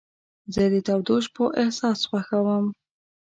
زه د تودو شپو احساس خوښوم.